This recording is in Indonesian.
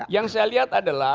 yang saya lihat adalah